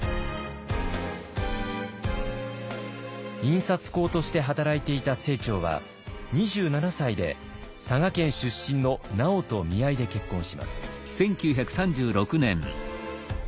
印刷工として働いていた清張は２７歳で佐賀県出身のナヲと見合いで結婚します。